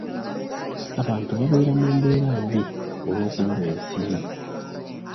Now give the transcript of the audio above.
Abantu babeera mu mbeera mbi olw'okubulwa ensimbi.